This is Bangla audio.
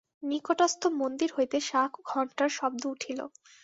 নিকটস্থ মন্দির হইতে শাঁখ-ঘণ্টার শব্দ উঠিল।